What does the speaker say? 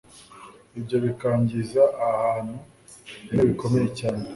ibyo bikangiza ahantu bimwe bikomeye cyane